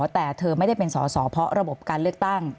แต่เธอไม่ได้เป็นสอสอเพราะระบบการเลือกตั้ง